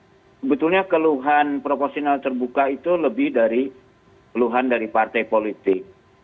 sebetulnya keluhan proporsional terbuka itu lebih dari keluhan dari partai politik